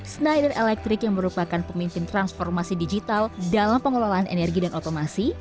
snider electric yang merupakan pemimpin transformasi digital dalam pengelolaan energi dan otomasi